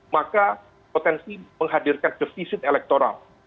maka potensi menghadirkan defisit elektoral